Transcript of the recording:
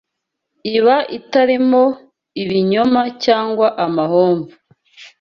iba itarimo ibinyoma cyangwa amahomvu